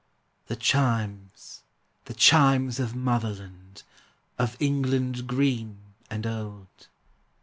The chimes, the chimes of Motherland, Of England green and old.